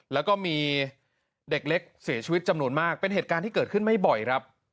แล้วก็มีเด็กเล็กเสียชีวิตจำนวนมากเป็นเหตุการณ์ที่เกิดขึ้นไม่บ่อยครับ